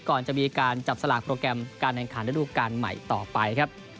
ก่อนจะมีการจับสลากโปรแกรมการแข่งขันระดูการใหม่ต่อไปครับ